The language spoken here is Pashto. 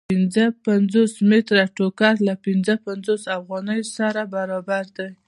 پنځه پنځوس متره ټوکر له پنځه پنځوس افغانیو سره برابر دی